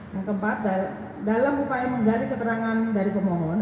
yang keempat dalam upaya mencari keterangan dari pemohon